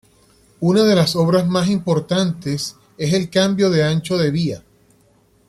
Una de las obras más importantes es el cambio de ancho de vía.